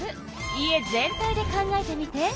家全体で考えてみて。